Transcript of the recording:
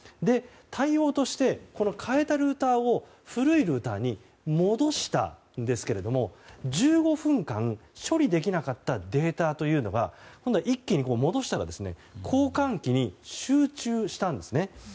対応として、換えたルーターを古いルーターに戻したんですが１５分間、処理できなかったデータというのが今度は、一気に戻したら交換機に集中したんですね。